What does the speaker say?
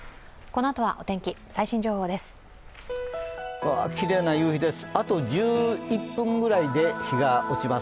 このあとはお天気、最新情報ですお天気です。